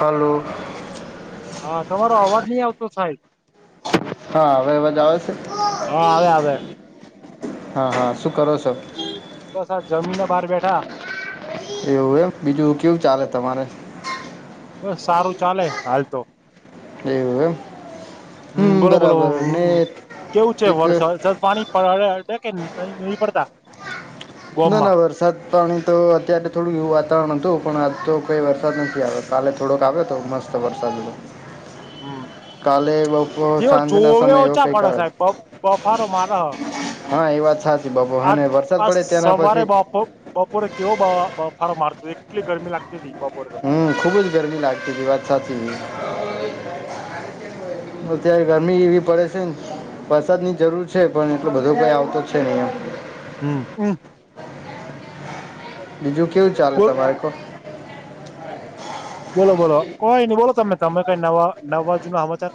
હાલું હા તમારો અવાજ નહી આવતો સાહેબ હા હવે અવાજ આવે હા છે આવે આવે હા હા શું કરો બસ આ જમીન બહાર બેઠા એવું એમ બીજું કેવું ચાલે તમારે બસ સારું ચાલે હાલ તો એવું એમ હમ બોલો બોલો બરાબર ને કેવું છે એક વર્સાદ [inaudible] પાણી કે નહી પડતા ના ગોમમાં ના વરસાદ પાણી તો અત્યારે થોડું એવું વાતાવરણ હતું પણ આજ તો કઈ વરસાદ નથી આવ્યો કાલે થોડોક આવ્યો તો મસ્ત વરસાદ હમ કાલે બપ જેવો સાંજના જોવે સમય એવો ઓછા કઈ પડે કળ સાહેબ બફારો મારા હા એ વાત સાચી બાબુ અને વરસાદ આજ પડે ત્યાંના સવારે પછી બપો બપોરે કેવો ફાર મારતો એટલી ગરમી લાગતી હતી બપોરે હમ ખુબ જ ગરમી લાગતી તી. વાત સાચી છે. અત્યારે ગરમી એવી પડે સે ન. વરસાદની જરૂર છે પણ એટલો બધો કઈ આવતો છે નહી એમ. હમ હમ બીજું કેવું ચાલે તમારે કો? હા બોલો બોલો કોઈની બોલો તમે તમે કઈ નવા નવા જુના હમાચાર?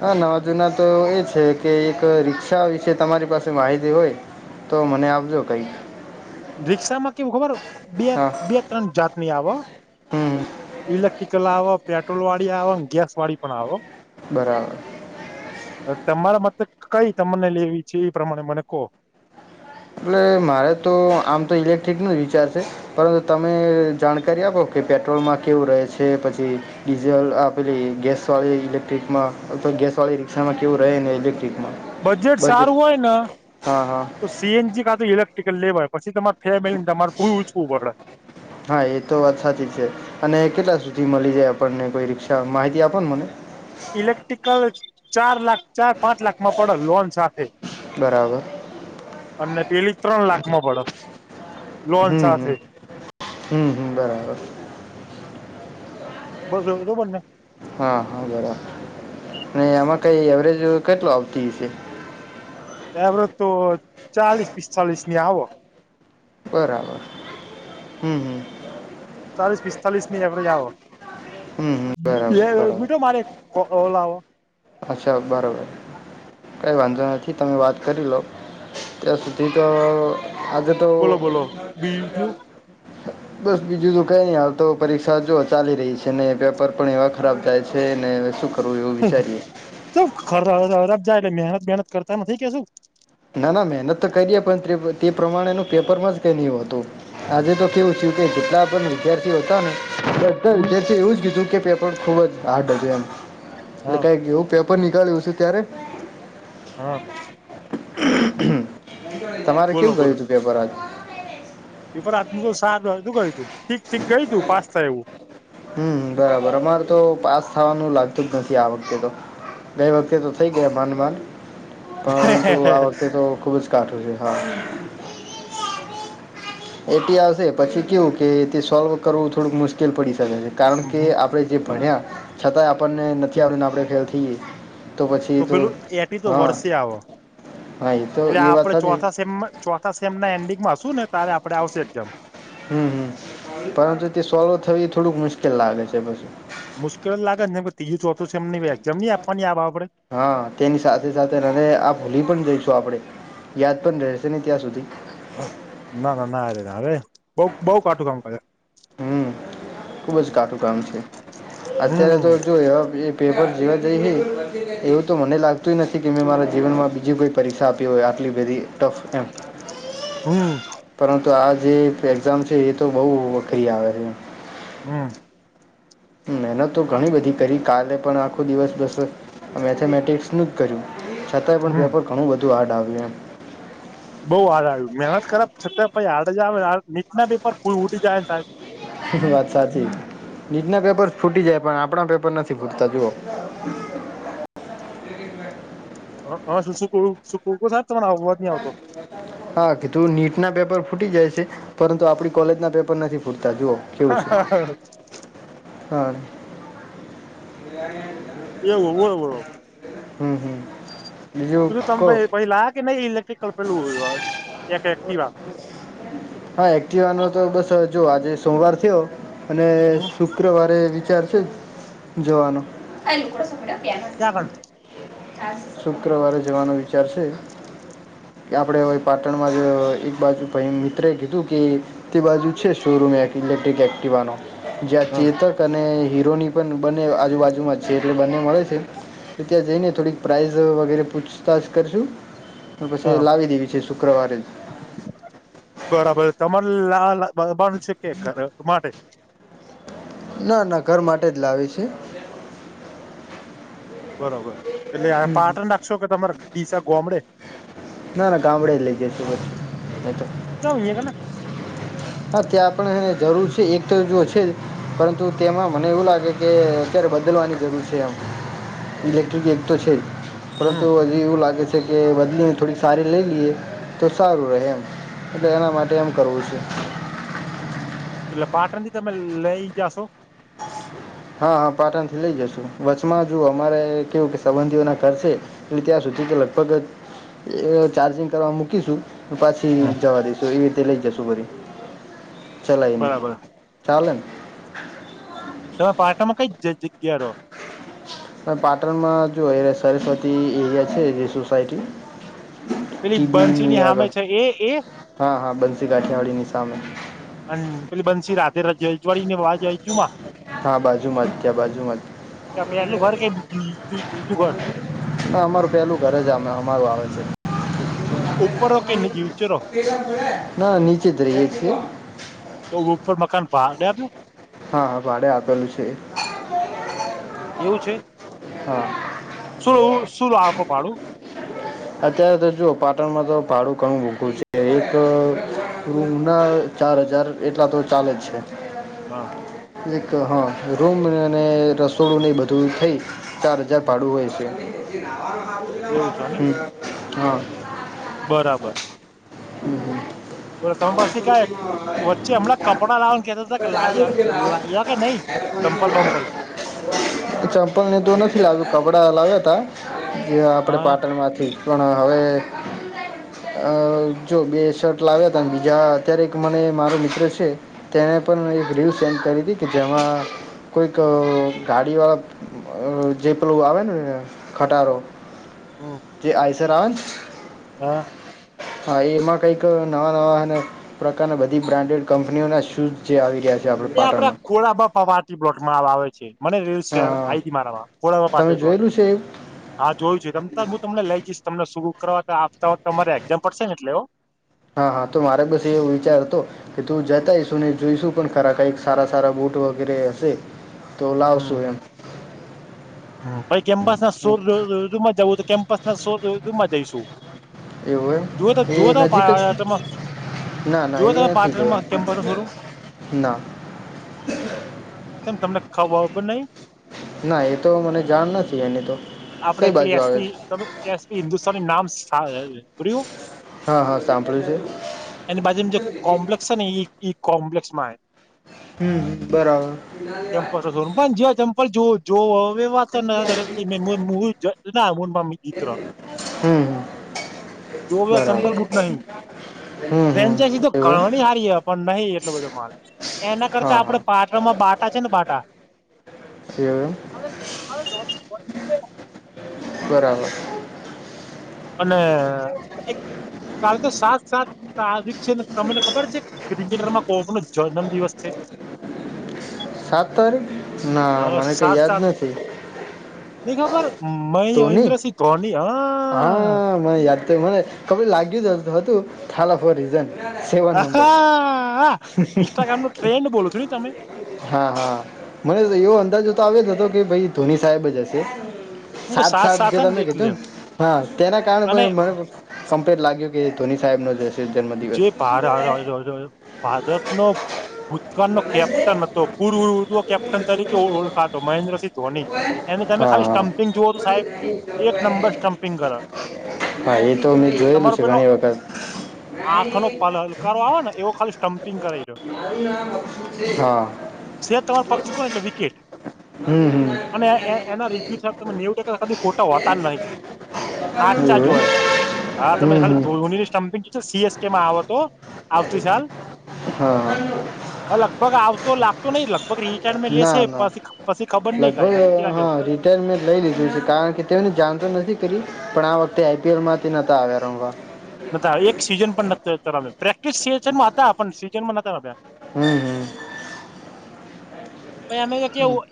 હા નવા જુના તો એ છે કે એક રિક્ષા વિશે તમારી પાસે માહિતી હોય. તો મને આપજો કઈ. રિક્ષામાં કેવું ખબર હે બે હા બે ત્રણ જાતની આવ. હમ ઇલેક્ટ્રિકલ આવ, પેટ્રોલવાળી આવ, ને ગેસવાળી પણ આવ. બરાબર. હવે તમારા મતે કઈ તમને લેવી છે એ પ્રમાણે મને કો. એટલે મારે તો આમ તો ઇલેક્ટ્રિકનો જ વિચાર છે. પરંતુ તમે જાણકારી આપો કે પેટ્રોલમાં કેવું રહે છે પછી ડીઝલ આ પેલી ગેસવાળી, ઇલેક્ટ્રિકમાં અથવા ગેસવાળી રિક્ષામાં કેવું રહે ને ઇલેક્ટ્રિકમાં. બજેટ સારું હોય ન હા હા તો સીએનજી કાતો ઈલેક્ટ્રિકલ લેવાય. પછી તમારે ફેમિલીને તમારે પૂછવું પડે. હા એ તો વાત સાચી છે. અને કેટલા સુધી મલી જાય આપણને કોઈ રિક્ષા માહિતી આપો ને મને. ઇલેક્ટ્રિકલ ચાર લાખ ચાર પાંચ લાખમાં પડે લોન સાથે. બરાબર અને પેલી ત્રણ લાખમાં પડ. હમ હમ હમ હમ બરાબર. [inaudible] હા હા બરાબર. ને એમાં કઈ એવરેજ કેટલું આવતી હશે? એવરેજ તો ચાલીસ પિતાલીસની આવ. બરાબર હમ હમ. ચાલીસ પિસ્તાલીસની એવરેજ આવ. હમ હમ એક બરાબર મિનિટ હહ બરાબર મારે એક કોલ આવ. અચ્છા બરોબર. કઈ વાંધો નથી તમે વાત કરી લો. ત્યાં સુધી તો આગળ તો બોલો બોલો બીજું [inaudible] બસ બીજું તો કાઈ નહી હાલ તો પરીક્ષા જો ચાલી રહી છે ને પેપર પણ એવા ખરાબ જાય છે ને શું કર કરું એવું વિચારીએ. કેમ ખરાબ જાય એટલે મહેનત બહેનત કરતા નથી કે શું? ના ના મહેનત તો કરીએ પણ ર્તે તે પ્રમાણેનું પેપરમાં જ કઈ નહીં હોતું. આજે તો કેવું થયું કે જેટલા પણ વિદ્યાર્થીઓ હતા ને બધ બધાં વિધાર્થીઓ એ એવું જ કીધું કે પેપર ખુબ જ હાર્ડ હતું એમ. એટલે હા કાઈક એવું પેપ પર નીકાળ્યું હશે ત્યારે. હહ તમારે બોલો કેવું બોલો ગયું તું પેપર આજ? પેપર આજનું તો સાધું ગયું તું ઠીક ઠીક ગયુ તું પાસ થાય એવું. હમ બરાબર અમારે તો પાસ થાવાનું લાગતું જ નથી આ વખતે તો. ગઈ વખતે તો થઈ ગયા માંડ માંડ પરંતુ આ વખતે તો ખુબ જ કાઠુ છે હા. એટી આવશે પછી કેવું કે તે સોલ્વ કરવું થોડુંક મુશ્કેલ પડી શકે છે. કારણ કે આપડે જે ભણ્યા છતાંય આપણને નથી આવડતું ને આપણે ફેલ થઈએ. તો પેલું એટી તો હા વર્ષે આવ. હા એ તો એટલે એ વાત આપડે સાચી ચોથા સેમમાં ચો થા સેમના એન્ડિંગમાં હશું ને તારે આપડે આવશે એક્ઝામ. હમ હમ પરંતુ તે સોલ્વ થવી એ થોડુંક મુશ્કેલ લાગે છે પછી. મુશ્કેલ લાગે ને પછી તીજી ચોથું સેમની એક્ઝામ ની આપવાની આપણે. હા તેની સાથે સાથે રેડ અને આ ભોલી પણ જઈશું આપડે યાદ પણ રહેશે ને ત્યાં સુધી ના ના ના અરે ના અરે બઉ બઉ કાટું કામ કરે ખુબ જ કાટું કામ છે અત્યારે તો હમ જોય પેપર જવા જઈ હ એવું તો મને લાગતુંય નથી કે મેં મારા જીવનમાં બીજું કોઈ પરીક્ષા આપી હોય આટલી બધી ટફ એમ હમ પરંતુ આ જે એક્ઝામ છે એ તો બહુ વખરી આવે છે. હમ્મ. મહેનત તો ઘણી બધી કરી કાલે પણ આખો દિવસ બસ મેથેમેટિક્સ ખૂબ કર્યું છતાંય પણ હમ પેપર ઘણું બધું હાર્ડ આવ્યું એમ. બઉ હાડ આવ્યું મહેનત કર છતાં પહિ હાડ જ આવે નીટ ના પેપર ફૂલ ઉટી જાય ને સાહેબ વાત સાચી નીટ ના પેપર ફૂટી જાય પણ આપણા પેપર નથી ફૂટતા જુઓ હ હ શું શું શું કઉ સાહેબ તને આવુ હ [unintelligible] હા કીધું નીટ ના પેપર ફૂટી જાય છે પરંતુ આપણી કોલેજ ના પેપર નથી ફૂટતા જુઓ કેવું છે [inaudible] હા. એ આઈ તાણ એવું હે બોલો બોલો. હમ્મ હમ્મ. પેલુ તમે કઈ લાયા કે નઈ ઇલેક્ટ્રિક પેલું એક એક્ટીવા હા એક્ટિવાનો તો બસ જો આજે સોમવાર થયો અને શું શુક્રવારે વિચાર છે જવાનો [unintelligible] ચા કણ શુક્રવારે જવાનો વિચાર છે. કે આપણે પાટણમાં જ એક બાજુ પેલા મિત્રએ કીધું કે તે બાજુ છે શોરૂમ એક ઇલેક્ટ્રિક એક્ટિવાનો જ્યાં કણ ચેતક અને હીરોની પણ બંને આજુબાજુમાં જ છે એટલે બંને મળે છે ત્યાં જઈને થોડીક પ્રાઇઝ વગેરે પૂછતાછ કરશું અને પછી હા લાવી દેવી છે શુક્રવારે જ બરાબર તમારે લાબા નુ છે કે ઘર માટે ના ના ઘર માટે જ લાવી છે. બરોબર એટલે પાટણ નાખશો કે તમારા ડીસા ગોમડે ના ના ગામડે જ લઈ જશુ બધું ક્યાં [inaudible] હા ત્યાં પણ જરૂર છે એક તો જો છે પરંતુ તેમાં મને એવું લાગે કે અત્યારે બદલવાની જરૂર છે એમ. ઇલેક્ટ્રિક એક તો છે હમ પરંતુ હજી એવું લાગે છે કે બદલીને થોડી સારી લઈ લઈએ તો સારું રહે એમ એટલે એના માટે એમ કરવું છે. એટલે પાટણ થી તમે લઈ જાશો. હા હા પાટણ થી લઇ જશું વચમાં જો અમારે કેવું કે સંબંધીઓ ના ઘર છે. એટલે ત્યાં સુધી કે લગભગ ચાર્જિંગ કરવા મૂકીશું પાછી જવા દઈશુ એવી રીતે લઈ જશુ ઘરી ચલાવીને બરાબર ચાલેન તમે પાટામાં કઈ જગ્યાારો પાટણમાં જો એ સરસ્વતી એરિયા છે જે સોસાયટી પેલી ટીબી ની બંસીની સામે આગળ છે એ એ હા હા બનસી ગાઠિયાવાડીની સામે અન પેલી બનસી રાત્રે રાત રજવાડી ને વાય જઈ જુ માં હા બાજુમાં જ ત્યાં બાજુમાં જ તો પેલું ઘર કે બીજું ઘર ના અમારું પેલું ઘર જ અ અમારું આવે છે. ઉપર રો કે નીચે રો. ના નીચે જ રહીએે છીએ. તો ઉપર મકાન ભાડે આપયુ. હા ભાડે આપેલું છે. એવું છે. હા. શું શું આપો ભાડું અત્યારે તો જુઓ પાટણમાં તો ભાડું ઘણું મૂઘુ છે એક રૂમના ચાર હજાર એટલા તો ચાલે જ છે. હા. એક હા રૂમને ર. સોડું નહિ બધું થઈ ચાર હજાર ભાડું હોય છે એવું છે ને હમ્મ. હા. બરાબર. હમ્મ હમ્મ. બલો તમે પછી ક વચ્ચે હમણાં કપડાં લાવવાનું કેતો લ લાવ કે નઈ? ચંપલ બંપલ. ચંપલ ને તો નથી લાગ્યું કપડા લાવ્યા તા. જે આપણે હા પાટણમાંથી પણ હવે. અ જો બે શર્ટ લાવ્યા ત બીજા અત્યારે એક મને મારો મિત્ર છે. તેને પણ એક રીલ સેન્ડ કરી હતી કે જેમાં કોઈક કાર્ય જેપલું આવે ને ખટારો. હમ્મ. એ આઈસરમ હા. હા એમાં કંઈક નવા નવા અને પ્રકારના બધી બ્રાન્ડેડ કંપનીઓના શૂઝ જે આવી રહ્યા છે આપણે પાટણમાં. કોડાબપા પારી પ્લોટમાં આવે છે મને રેલ હા શર હા આ મારામાં કોડાબ તમે પારી પ્લોટ. જોયેલું છે એવું હા જોયું છે તમ તો હું તમને લઈ જઈશ તમને શરું કરવા તો આવતા વતે અરે એક્ઝામ પડશે ને એટલે હા. હા હા તો મારે બસ એવું વિચારતો. કે તું જતા હઈશુ ને જોઈશું પણ ખરા કઈક સારા સારા બુટ વગેરે હશે તો લાવ સુું એમ. પછ કેમ્પસ ના એમ સોર ઋદુમાં જવું તો કેમ્પસ ના સોર ઋદુ માં જઈશું. એવું એમ જોઓ તો એ જોઓ તો પ નજીક જ તમાં ના ના એ નથી તે શોરૂમ ના. કેમ તમને ખાવા ઉપ ઉપર નહી. ના એતો મને જાણ નથી એની તો. આપડે કઈ પેલી બાજુ આવે એસપી છે ત એસપી હિન્દુસ્તાન નામ્યું. હા હા સાંભળ્યું છે એની બાજુ ન જે કોમ્પ્લેક્સ છે ને એ ઈ કોમ્પ્લેક્સ માં હે. હમ્મ હમ્મ બરાબર. [unintelligible] પણ જો જો અ. [unintelligible] હમ હમ જો ચંપલ બરાબર ભુટના હમ ફેન. હમ [unintelligible] એવું કણણી એમ હારીએ પણ નહીં એટલો બધો માલ એના કરતા હા આપડે હા પા બાટા છે ને બાટા. [unintelligible] [unintelligible] બરાબર. અને કાલ તો સાત સાત [unintelligible] તો આ દીક છે ને તમને ખબર છે ક્રિકેટર માં કોક નો જન્મ દિવસ છે. સાત તારિક. હા સાત સાત ની ખબર તો નહી મન્દ્રસિંહ ધોની હ હા મને યાદ થ મને કબડ લાગ્યું જ હતું થાલા ફોર રીઝન [unintelligible] સેવન નંબર હા ઇન્સ્ટાગ્રામ નો ટ્રેન્ડ બોલો છો ને તમે હા હા મને એવો અંદાજ તો આવ્યો જ હતો કે ભાઈ ધોની સાહેબ જ હશે હું ક સાત સાત જે સાથ જ તમે એટલે કીધું ને હા તેના કારણે અને પછી મને કમ્પેર લાગ્યું કે જે ધોની સાહેબ નો હશે જન્મદિવસ જે ભાર ભારતનો [unintelligible] ઉત નો કેપ્ટન હતો પૂર્વ ઉવો કેપ્ટન તરીકે ઓળખાતો મહેન્દ્રસિંહ ધોની [unintelligible] એનુ તમે હા ખાલી હા સ્ટમ્પિંગ જુઓ તો સાહેબ એક નંબર સ્ટમ્પિંગ કરે હા એ તો મેં જોયેલું છે ઘણી વખત આંખ નો હલકારો આવે ને એવો ખાલી સ્ટમ્પિંગ કરે એરયો હા શે તમારો પગ ચૂકો ને એટલે વિકેટ હમ હમ અને એના રિવ્યુબ તમે નેવ ટકા ખા ખો [unintelligible] હોતા જ નહી હાચા જ એવું હોય હા તમે હમ ખાલી હમ ધોની જ પંગ સીએસકે માં આવતો આવતી સાલ હા હ લગભગ આવતો લાગતો નઈિ લગભગ રિટાયડ મે ના લેશે ના પછી પછી ખબર નહ કઈ નક્કી ના કેવાય અત્યારે મેં લઈ લીધું છે કારણ કે તેની જાણતો નથી કરી પણ આ વખતે આઈપીએલમાંથી નતા આવ્યા રમવા બધા એક સીઝન પણ્યા નતા પ્રેક્ટિસ સીઝન માં હતા પણ સીઝન માં નતા રમ્યા હમ હમ [unintelligible] હમ કેવું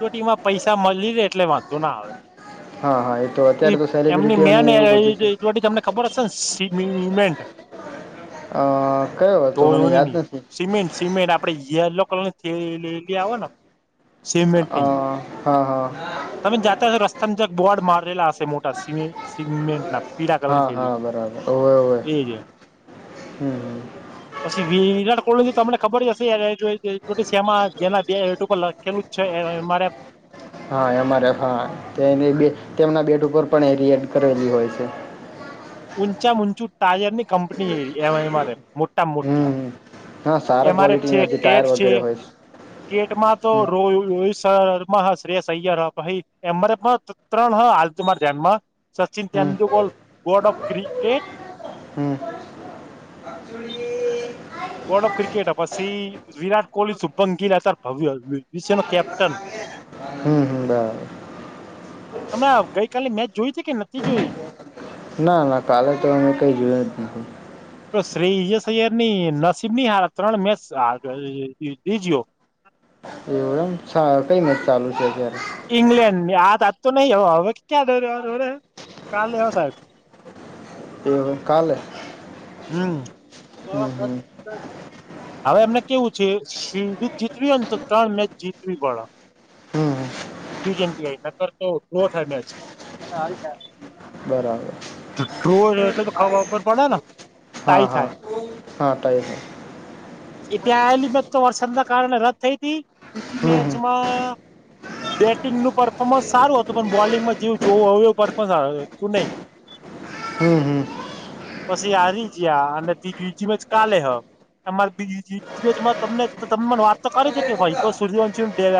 કેટીમાં પૈસા મળી રે એટલે વાંધો ના આવે હા હા તો એ અત્યારે તો એમની સેલિબ્રિટીઓને મેન એવું બધું છે જોટી તમને ખબર હશે ને સમેન્ટ અ કયો [unintelligible] હતો મને યાદ તોની નથી સિમેન્ટ સિમેન્ટ આપ આપડે યલો કલર ની થેલી લિ આવે ને સિમેન્ટની હ હા [unintelligible] [unintelligible] તમે જાતા હશો રસ્તામાં જક બોર્ડ મારેલા હશે મોટા સિમી સિમેન્ટ ના પીળા કલર ની હા થેલી હા બરાબર ઓવે ઓવે એ જ હોય [unintelligible] પછી વિરાટ કોહલી તમને ખબર જ હશે શમા [inaudible] જેના બેટ ઉપર લખેલું જ છે એમ આર એફ હા એમારે હા તેની બે તેમના બેડ ઉપર પણ એ રીયેડ કરેલી હોય છે ઊંચા મા ઊંચું ટાયર ની કંપની એ એમ આર એફ મોટા મા મોટી હમ હા સારા એમ આર એફ છે ક્વોલિટીના જે ટાયર કેટ છે વગેરે હોય કેટમાં તો હમ રો રમાં હ શસૈયર એરે પણ [unintelligible] ત્રણ હ આાલ તમારા ધ્યાનમાં સચિન હમ તેંદુલકર ગોડ ઓફ ક્રિકેટ હું હ પ્રાનસુડિએ અએ ગોર્ડ ઓફ ક્રિકેટ પછી વિરાટ કોહલી શુભંગ ગીલ અતાર ભવિવિષ્ય નો કેપ્ટન. હમ હમ બરા તમે એમ ગઈકાલે મેચ જોઈ હતી કે નતી જોઈ ના ના કાલે તો મે કઈ જોયા જ નથી. તો શ્રી જ સૈયર ની નસીબ ની હાર ત્રણ મેચ રીજયો- એવું એમ કઈ મેચ ચાલુ છે અત્યારે- ઈંગ્લેન્ડ આજ આજ તો નહી હવે ક્યા દ કાલે સાહેબ એ કાલે- હમ હમ હમ હવે એમને કેવું છે શ [unintelligible] જીતવી હોય તો ત્રણ મેચ જીતવી પડે હમ હમ ટી ટ્વેન્ટી આઈ ન કર તો ડ્રો થાય મેચ બરાબર ર તો તો ખાવા ઉપર પડે ને [unintelligible] હા હા થાય હા તો એ એટલે આલી મેચ તો વરસાદ ના કારણે રદ થઈ હતી બીજી હમ હમ મેચમાં બેટિંગનું પરફોર્મન્સ સારું હતું પણ બોલિંગમાં જેવું જોવું હોય એું પરફોર્મન્સું નહીં. હમ હમ પછી હારી ગયા અને તી બીજી મ જ કાલે હક- અમારે બીજી તમ તમને વાત તો કરી છે. કે ભાઈ સૂર્યવંશી ડે-